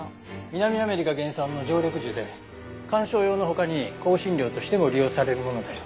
南アメリカ原産の常緑樹で観賞用の他に香辛料としても利用されるものだよ。